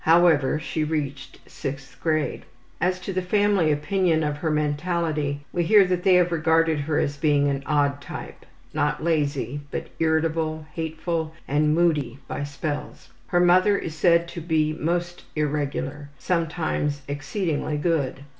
However, she reached 6th grade. As to the family opinion of her mentality we hear that they have regarded her as being an odd type, not lazy, but irritable, hateful, and moody by spells. Her memory is said to be most irregular, sometimes exceedingly good.